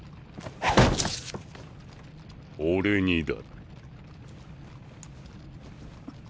俺にだ。